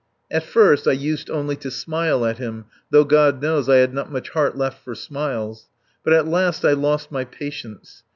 At first I used only to smile at him, though, God knows, I had not much heart left for smiles. But at last I lost my patience.